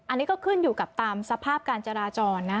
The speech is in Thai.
อันนี้ก็ขึ้นอยู่กับตามสภาพการจราจรนะ